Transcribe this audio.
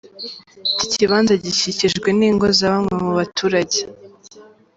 Iki kibanza gikikijwe n’ingo za bamwe mu baturage.